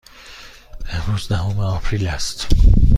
امروز دهم آپریل است.